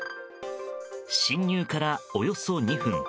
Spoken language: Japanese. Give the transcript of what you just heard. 侵入からおよそ２分。